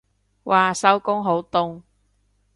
嘩收工好凍